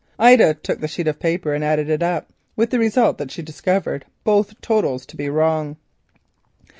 Ida took the sheet of paper and added it up, with the result that she discovered both totals to be wrong.